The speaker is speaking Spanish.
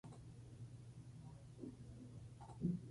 Siendo todavía pequeña se trasladó hasta Savannah, en Georgia.